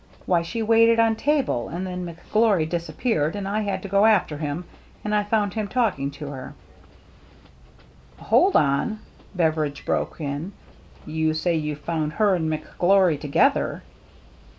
" Why, she waited on table ; and then McGlory disappeared and I had to go after him, and I found him talking to her —"" Hold on !" Beveridge broke in. " You say you found her and McGlory together